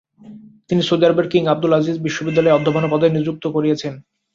তিনি সৌদি আরবের king Abdul Aziz বিশ্ববিদ্যালয়ে অধ্যাপনা পদে নিযুক্ত করয়েছেন।